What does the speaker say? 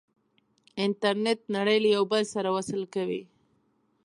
انټرنیټ نړۍ له یو بل سره وصل کوي.